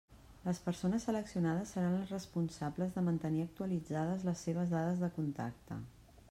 Les persones seleccionades seran les responsables de mantenir actualitzades les seves dades de contacte.